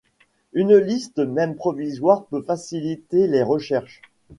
Une liste même provisoire peut faciliter les recherches.